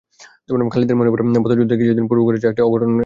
খালিদের মনে পড়ে বদর যুদ্ধের কিছুদিন পূর্বে ঘটে যাওয়া একটি ঘটনার কথা।